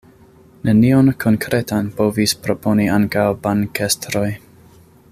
Nenion konkretan povis proponi ankaŭ bankestroj.